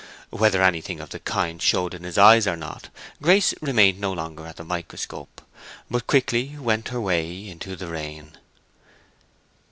Whether anything of the kind showed in his eyes or not, Grace remained no longer at the microscope, but quickly went her way into the rain.